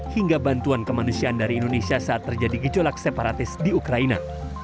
hingga bantuan kemanusiaan dari indonesia saat terjadi gejolak separatis di ukraina